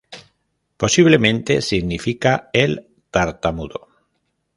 Posiblemente significa "el Tartamudo".